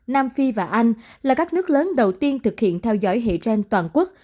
nam phi và anh là các nước lớn đầu tiên thực hiện theo dõi hệ gen toàn quốc